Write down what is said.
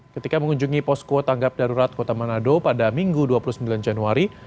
ketika mengunjungi posko tanggap darurat kota manado pada minggu dua puluh sembilan januari